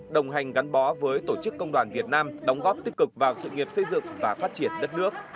đồng hành gắn bó với tổ chức công đoàn việt nam đóng góp tích cực vào sự nghiệp xây dựng và phát triển đất nước